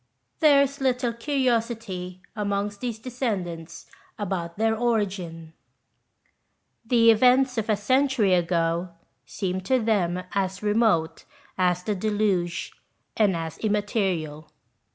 There is little curiosity amongst these descendants about their origin. The events of a century ago seem to them as remote as the Deluge, and as im material.